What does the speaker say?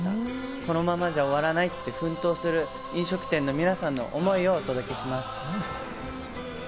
このままじゃ終わらないと奮闘する飲食店の皆さんの思いをお届けします。